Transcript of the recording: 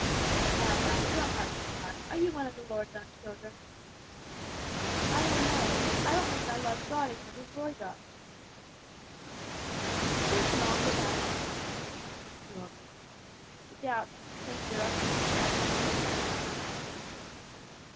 "Now, laddie, don't harden your heart, are you one of the Lord's own children?" "I don't know. I don't think I love God as much as Roy does." "'Tis an awful bad principle," the old man continued, "to doubt and complain directly we can't understand the Almighty's dealings with us.